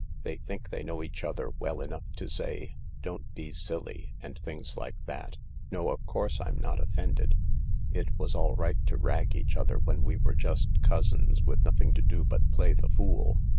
They think they know each other well enough to say, 'Don't be silly,' and things like that. No, of course I'm not offended. It was all right to rag each other when we were just cousins with nothing to do but play the fool.